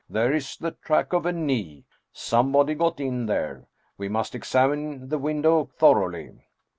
There is the track of a knee ! Somebody got in there. We must examine the window thoroughly."